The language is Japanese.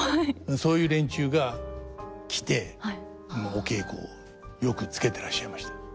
そういう連中が来てお稽古をよくつけてらっしゃいました。